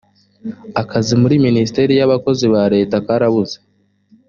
akazi muri minisiteri y abakozi ba leta karabuze